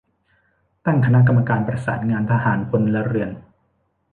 ตั้งคณะกรรมการประสานงานทหาร-พลเรือน